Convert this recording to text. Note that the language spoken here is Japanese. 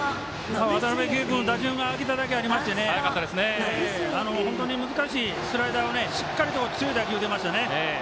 渡辺憩君打順を上げただけありまして難しいスライダーをしっかりと強い打球で打てましたね。